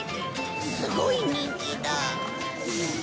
すごい人気だ。